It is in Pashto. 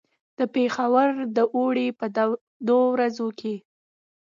د پېښور د اوړي په تودو ورځو کې.